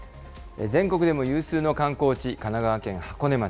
全国でも有数の観光地、神奈川県箱根町。